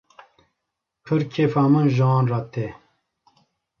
Pir kêfa min ji wan re tê.